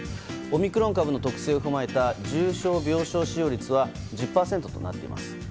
オミクロン株の特性を踏まえた重症病床使用率は１０％となっています。